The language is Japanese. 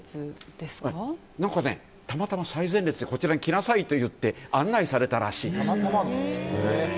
たまたま最前列でこちらに来なさいと言って案内されたらしいです。